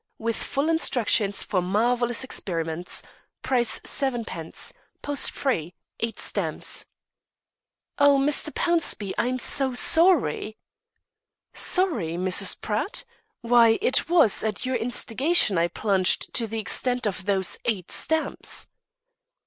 With full instructions for marvellous experiments. Price 7d. post free, eight stamps.'" "Oh, Mr. Pownceby, I am so sorry." "Sorry, Mrs. Pratt! Why, it was, at your instigation I plunged to the extent of those eight stamps."